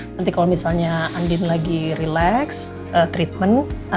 nanti kalau misalnya andin lagi relax treatment